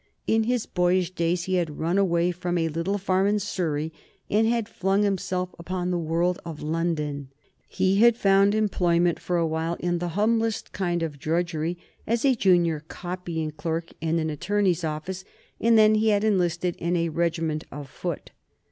In his boyish days he had run away from a little farm in Surrey and had flung himself upon the world of London. He had found employment, for a while, in the humblest kind of drudgery as a junior copying clerk in an attorney's office, and then he had enlisted in a regiment of foot.